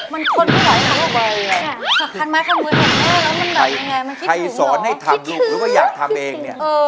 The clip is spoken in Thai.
มันคนก็หลายทำออกไปเลยยังทักขั้นม้ายทักมือเองแล้วมันมันมีอย่างไรมันคิดถึงหรอ